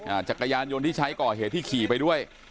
จักรยานยนต์ที่ใช้ก่อเหตุที่ขี่ไปด้วย